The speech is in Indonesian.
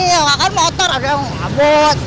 ya nggak kan motor ada yang ngabut